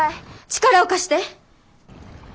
力を貸して。